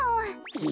え！